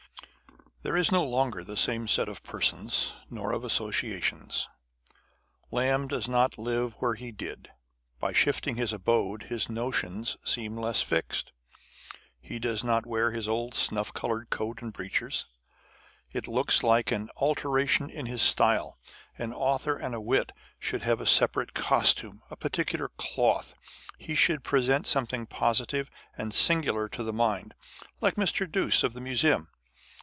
There is no longer the same set of persons, nor of associa tions. Lamb does not live where he did. By shifting his abode, his notions seem less fixed. He does not wear his old snuff coloured coat and breeches. It looks like an alteration in his style. An author and a wit should have a separate costume, a particular cloth : he should present something positive and singular to the mind, like Mr. Douce of the Museum.